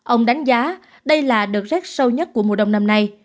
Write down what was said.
ông đánh giá đây là đợt rét sâu nhất của mùa đông năm nay